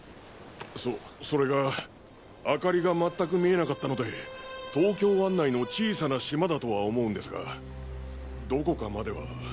そそれが明かりが全く見えなかったので東京湾内の小さな島だとは思うんですがどこかまでは。